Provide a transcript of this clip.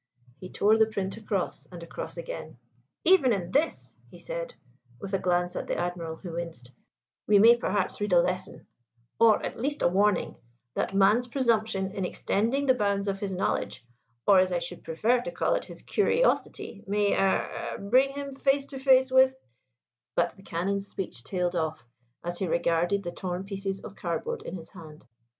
He tore the print across, and across again. "Even in this," he said, with a glance at the Admiral, who winced, "we may perhaps read a lesson, or at least a warning, that man's presumption in extending the bounds of his knowledge or, as I should prefer to call it, his curiosity may er bring him face to face with " But the Canon's speech tailed off as he regarded the torn pieces of cardboard in his hand.